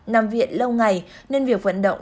nằm viện lâu ngày nên việc vận động